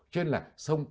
cho nên là sông